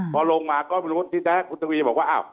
พอลงมาก็สิ่งแรกคุณทวีบอกว่าอ้าว